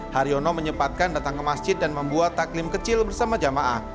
haryono menyepatkan datang ke masjid dan membuat taklim kecil bersama jamaah